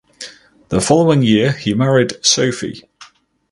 The following year he married Sophie.